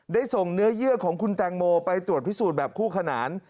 ได้ส่งเนื้อเยื่อของคุณแตงโมไปตรวจพิสูจน์แบบคู่ขนาน